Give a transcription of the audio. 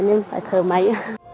nên phải thở máy